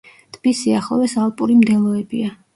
ტბის სიახლოვეს ალპური მდელოებია.